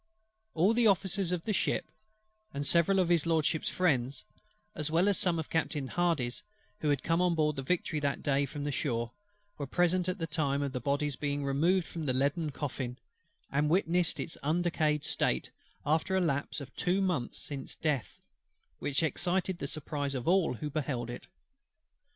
All the Officers of the ship, and several of HIS LORDSHIP'S friends, as well as some of Captain HARDY'S, who had come on board the Victory that day from the shore, were present at the time of the Body's being removed from the leaden coffin; and witnessed its undecayed state after a lapse of two months since death, which excited the surprise of all who beheld it.